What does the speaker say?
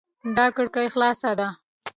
دا کړکي خلاصه ده